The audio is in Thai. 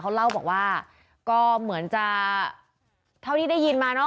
เขาเล่าบอกว่าก็เหมือนจะเท่าที่ได้ยินมาเนอะ